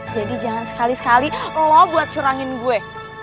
jadi jangan sekali sekali lo buat curangin gue